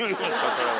それは。